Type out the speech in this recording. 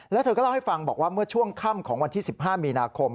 แล้วเธอก็เล่าให้ฟังบอกว่าเมื่อช่วงค่ำของวันที่๑๕มีนาคม